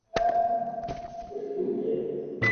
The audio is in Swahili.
wakti huo ambapo majeshi kutoka nchi za kujihami